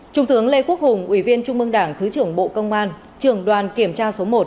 trung tướng lê quốc hùng ủy viên trung mương đảng thứ trưởng bộ công an trường đoàn kiểm tra số một